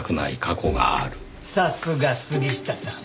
さすが杉下さん。